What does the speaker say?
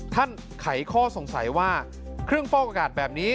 ไขข้อสงสัยว่าเครื่องฟอกอากาศแบบนี้